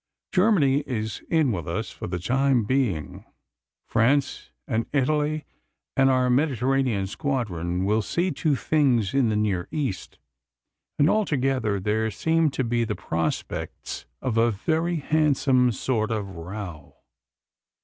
Germany is in with us for the time being: France and Italy and our Mediterranean squadron will see to things in the Near East, and altogether there seem to be the prospects of a very handsome sort of row."